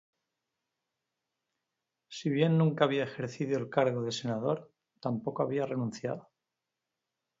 Si bien nunca había ejercido el cargo de senador, tampoco había renunciado.